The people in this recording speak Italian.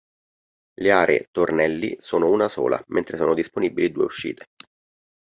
Le aree tornelli sono una sola, mentre sono disponibili due uscite.